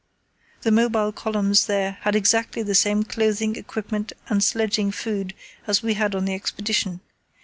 The mobile columns there had exactly the same clothing, equipment, and sledging food as we had on the Expedition.